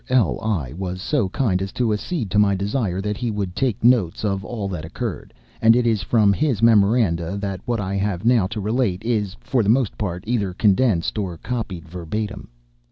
L—l was so kind as to accede to my desire that he would take notes of all that occurred, and it is from his memoranda that what I now have to relate is, for the most part, either condensed or copied verbatim.